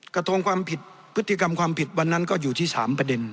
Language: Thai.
กระทงความผิดพฤติกรรมความผิดวันนั้นก็อยู่ที่๓ประเด็น